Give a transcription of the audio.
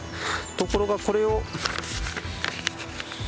ところがこれを。